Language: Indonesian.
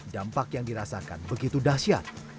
dampak yang dirasakan begitu dahsyat